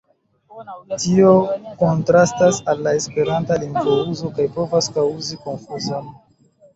Tio kontrastas al la esperanta lingvouzo kaj povas kaŭzi konfuzon.